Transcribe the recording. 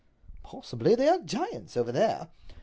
"Possibly; they are giants over there."